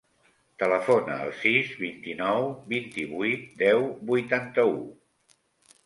Telefona al sis, vint-i-nou, vint-i-vuit, deu, vuitanta-u.